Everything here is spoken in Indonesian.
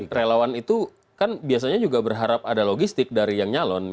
dan relawan itu kan biasanya juga berharap ada logistik dari yang nyalon